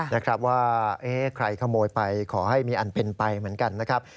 นะครับว่าใครขโมยไปขอให้มีอันเป็นไปเหมือนกันนะครับ